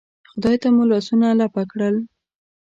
خدای ته مو لاسونه لپه کړل.